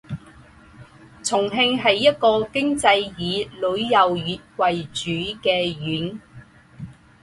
重庆是一个经济以旅游业为主的县。